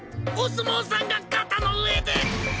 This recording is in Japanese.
お相撲さんが肩の上で。